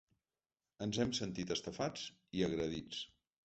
Ens hem sentit estafats i agredits.